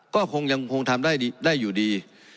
ก็คงด้ายได้อยู่ดี